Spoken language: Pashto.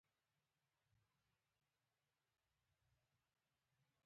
دلته هرڅوک خپل حق غواړي